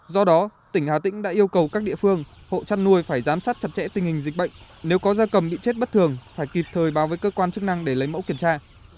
do đó tỉnh hà tĩnh đã yêu cầu các địa phương hộ chăn nuôi phải giám sát chặt chẽ tình hình dịch bệnh nếu có gia cầm bị chết bất thường phải kịp thời báo với cơ quan chức năng để lấy mẫu kiểm tra